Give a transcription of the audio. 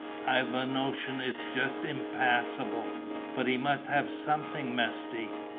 I've a notion its just impassible." "But he must have something, Mesty."